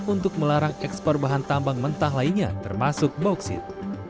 untuk melarang ekspor bahan tambang mentah lainnya termasuk bauksit